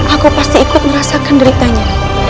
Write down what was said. aku pasti ikut merasakan deritanya